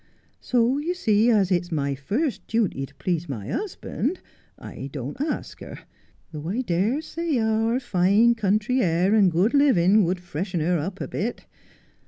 So you see, as it's my first duty to please my husband, I don't ask her, though I dare say our fine country air and good living would freshen her up a bit.